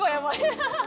ハハハ！